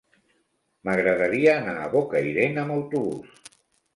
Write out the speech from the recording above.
M'agradaria anar a Bocairent amb autobús.